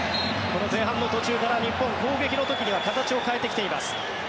この前半の途中から日本、攻撃の時には形を変えてきています。